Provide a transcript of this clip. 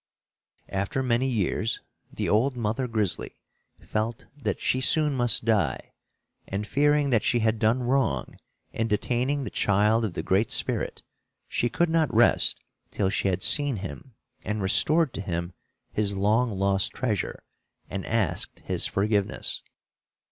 After many years, the old mother Grizzly felt that she soon must die, and, fearing that she had done wrong in detaining the child of the Great Spirit, she could not rest till she had seen him and restored to him his long lost treasure and asked his forgiveness.